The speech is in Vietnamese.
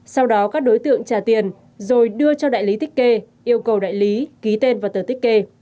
sau đó các đối tượng trả tiền rồi đưa cho đại lý tích kê yêu cầu đại lý ký tên vào tờ tích kê